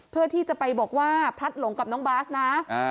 เพื่อที่จะไปบอกว่าพลัดหลงกับน้องบาสนะ